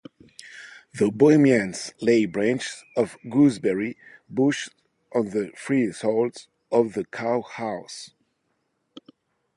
The Bohemians lay branches of gooseberry bushes on the thresholds of the cowhouses.